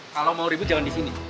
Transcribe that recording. kalau mau ribut jangan di sini